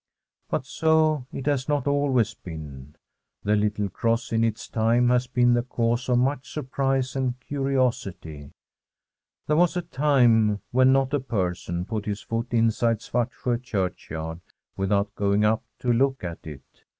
But so it has not always been. The little cross in its time has been the cause of much surprise and curiosity. There was a time when not a person put his foot inside Svartsjo Churchyard without going up to look at it.